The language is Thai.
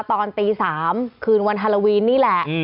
ตอนตี๓คืนวันฮาโลวีนนี่แหละ